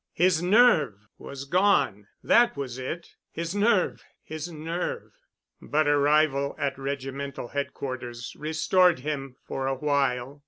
His nerve was gone—that was it. His nerve—his nerve.... But arrival at regimental headquarters restored him for awhile.